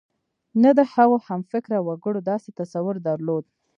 نه د هغه همفکره وګړو داسې تصور درلود.